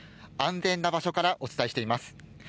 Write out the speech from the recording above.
安全な場所からお伝えしています。